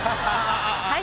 はい。